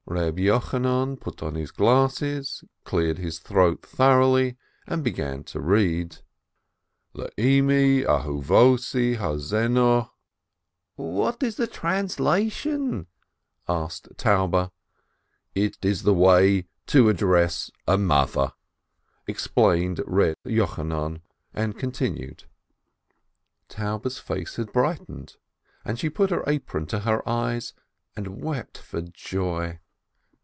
Reb Yochanan put on his glasses, cleared 'his throat thoroughly, and began to read : "Le Immi ahuvossi hatzenuoh" ... "What is the translation ?" asked Taube. "It is the way to address a mother," explained Reb Yochanan, and continued. Taube's face had brightened, she put her apron to her eyes and wept for joy.